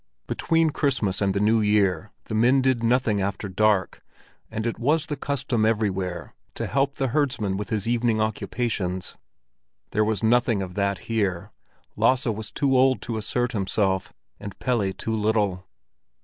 Between Christmas and the New Year the men did nothing after dark, and it was the custom everywhere to help the herdsman with his evening occupations. There was nothing of that here; Lasse was too old to assert himself, and Pelle too little.